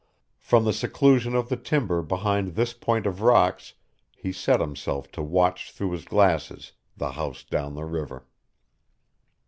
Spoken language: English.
From the seclusion of the timber behind this point of rocks he set himself to watch through his glasses the house down the river.